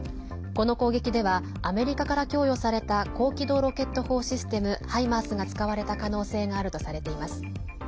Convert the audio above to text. この攻撃ではアメリカから供与された高機動ロケット砲システム「ハイマース」が使われた可能性があるとされています。